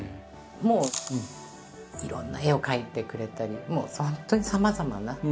もういろんな絵を描いてくれたりもう本当にさまざまな。